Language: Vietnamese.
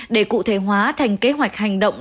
để cụ thể hóa thành kế hoạch hành động